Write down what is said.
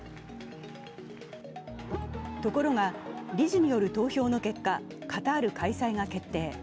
ところが理事による投票の結果、カタール開催が決定。